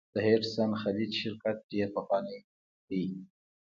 د هډسن خلیج شرکت ډیر پخوانی دی.